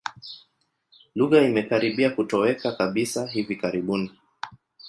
Lugha imekaribia kutoweka kabisa hivi karibuni.